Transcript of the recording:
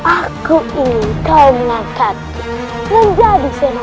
apa yang pintar memang bukanlah menjijikan berbeda laki ngawic sus progresses